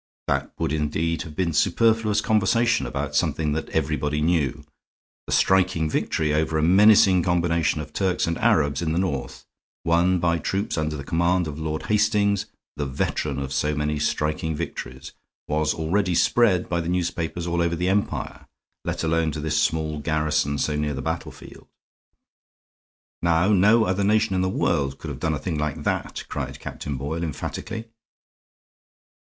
That would indeed have been superfluous conversation about something that everybody knew. The striking victory over a menacing combination of Turks and Arabs in the north, won by troops under the command of Lord Hastings, the veteran of so many striking victories, was already spread by the newspapers all over the Empire, let alone to this small garrison so near to the battlefield. "Now, no other nation in the world could have done a thing like that," cried Captain Boyle, emphatically.